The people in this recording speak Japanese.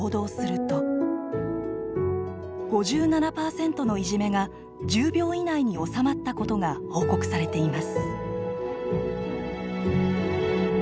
５７％のいじめが１０秒以内に収まったことが報告されています。